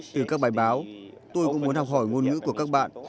từ các bài báo tôi cũng muốn học hỏi ngôn ngữ của các bạn